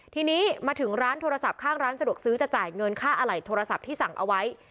ทีนี้มาถึงร้านโทรศัพท์ข้างร้านสะดวกซื้อจะจ่ายเงินค่าอะไหล่โทรศัพท์ที่สั่งเอาไว้